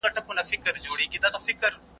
زه به تر یو ساعت پورې ستاسو لیدو ته درشم.